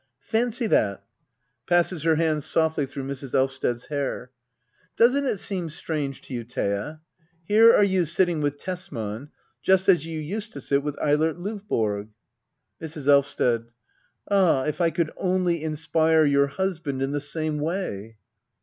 ] Fancy that ! \Passes her hands sojily through Mrs. Elvsted*s hair.] Doesn't it seem strange to you, Thea ? Here are you sitting with Tesman — just as you used to sit with Eilert Lovborg ? Mrs. Elvsted. Ah, if I could only inspire your husband in the same way